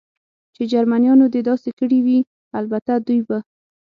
چې جرمنیانو دې داسې کړي وي، البته دوی به.